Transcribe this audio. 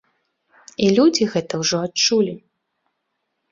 І людзі гэта ўжо адчулі.